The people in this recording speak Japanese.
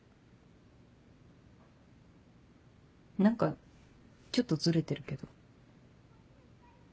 何かちょっとズレてるけど。